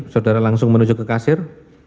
saudara langsung menuju ke kasir